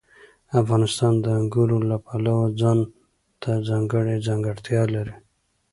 افغانستان د انګورو له پلوه ځانته ځانګړې ځانګړتیا لري.